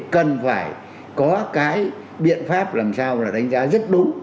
cần phải có cái biện pháp làm sao là đánh giá rất đúng